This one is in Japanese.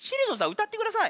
歌ってください。